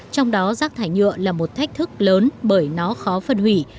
trong đó rác thải nhựa là một thách thức lớn bởi nó khó phân hủy